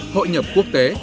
hội nhập quốc tế